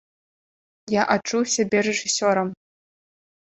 Я адчуў сябе рэжысёрам.